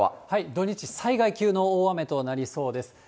土日、災害級の大雨となりそうです。